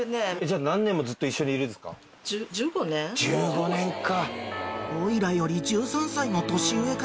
１５年か。